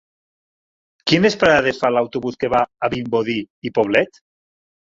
Quines parades fa l'autobús que va a Vimbodí i Poblet?